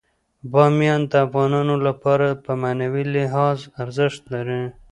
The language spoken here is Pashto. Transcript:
بامیان د افغانانو لپاره په معنوي لحاظ ارزښت لري.